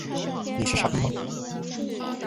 你是傻逼吗？